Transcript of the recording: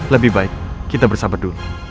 lebih baik kita bersabar dulu